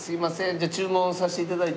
じゃあ注文させて頂いて。